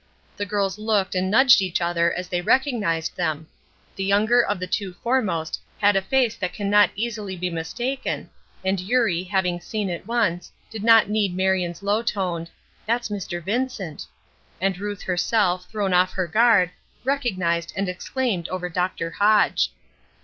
The girls looked and nudged each other as they recognized them. The younger of the two foremost had a face that can not easily be mistaken, and Eurie, having seen it once, did not need Marion's low toned, "That is Mr. Vincent." And Ruth herself, thrown off her guard, recognized and exclaimed over Dr. Hodge.